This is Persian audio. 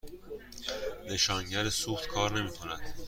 نشانگر سوخت کار نمی کند.